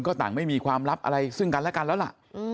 ก็ต่างไม่มีความลับอะไรซึ่งกันและกันแล้วล่ะ